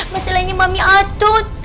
masalahnya mami atut